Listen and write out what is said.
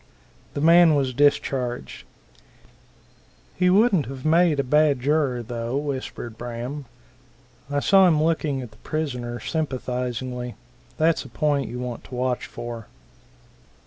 The man was discharged. "He wouldn't have made a bad juror, though," whispered Braham. "I saw him looking at the prisoner sympathizingly. That's a point you want to watch for."